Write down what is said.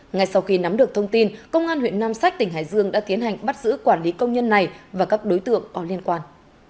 ngay sau khi nắm được thông tin công an huyện nam sách tỉnh hải dương đã tiến hành bắt giữ quản lý công nhân này và các đối tượng có liên quan